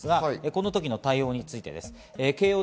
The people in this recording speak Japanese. この時の対応についてです。